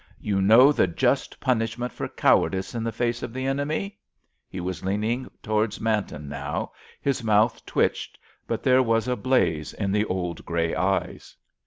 "You know the just punishment for cowardice in the face of the enemy?" He was leaning towards Manton now; his mouth twitched, but there was a blaze in the old grey eyes.